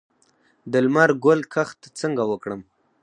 د لمر ګل کښت څنګه وکړم؟